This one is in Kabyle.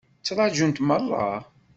Ttṛajunt meṛṛa.